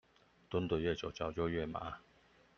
蹲的越久，腳就越麻